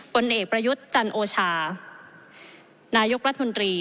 ผลเอกประยุทธ์จันโอชานายกรัฐมนตรี